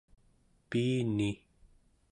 piini